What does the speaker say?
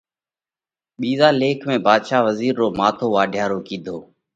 ٻِيزا ليک ۾ ڀاڌشا وزِير رو ماٿو واڍيا رو ڪِيڌو۔